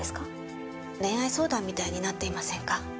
恋愛相談みたいになっていませんか？